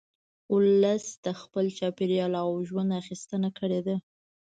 ولس د خپل چاپېریال او ژونده اخیستنه کړې ده